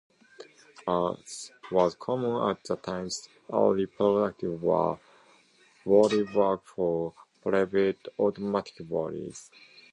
As was common at the time, early products were bodywork for private automobiles.